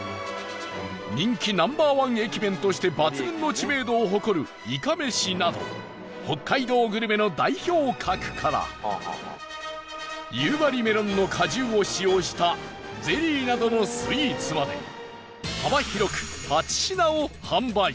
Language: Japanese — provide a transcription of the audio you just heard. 人気ナンバーワン駅弁として抜群の知名度を誇るいかめしなど北海道グルメの代表格から夕張メロンの果汁を使用したゼリーなどのスイーツまで幅広く８品を販売